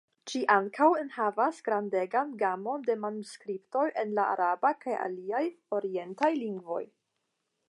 Ĝi ankaŭ enhavas grandegan gamon da manuskriptoj en la araba kaj aliaj orientaj lingvoj.